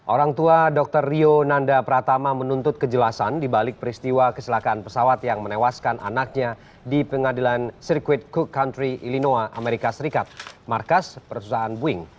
orang tua dr rio nanda pratama menuntut kejelasan dibalik peristiwa keselakaan pesawat yang menewaskan anaknya di pengadilan sirkuit cook country illinoa amerika serikat markas perusahaan boeing